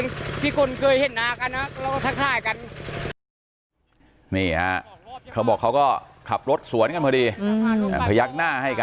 นี่ฮะเขาบอกก็ขับรถสวนกันพอดีแต่ทะยักษ์หน้าให้กัน